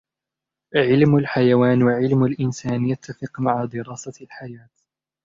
علم الحيوان وعلم الإنسان يتفق مع دراسة الحياة.